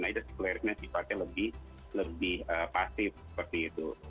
nah itu sekulerisme sifatnya lebih pasif seperti itu